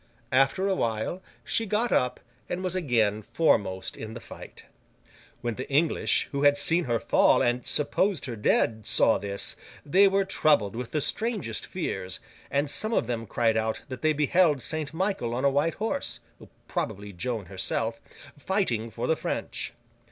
After a while, she got up, and was again foremost in the fight. When the English who had seen her fall and supposed her dead, saw this, they were troubled with the strangest fears, and some of them cried out that they beheld Saint Michael on a white horse (probably Joan herself) fighting for the French.